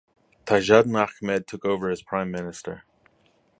Tajuddin Ahmed took over as Prime Minister.